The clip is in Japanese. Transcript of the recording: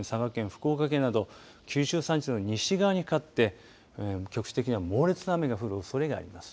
福岡県など九州山地の西側にかかって局地的には猛烈な雨が降るおそれがあります。